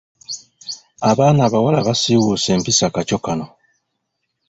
Abaana abawala basiwuuse empisa kakyo kano.